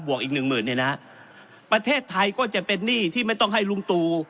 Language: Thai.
วกอีกหนึ่งหมื่นเนี่ยนะฮะประเทศไทยก็จะเป็นหนี้ที่ไม่ต้องให้ลุงตู